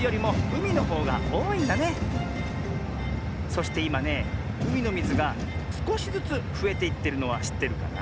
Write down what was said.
そしていまねうみのみずがすこしずつふえていってるのはしってるかな？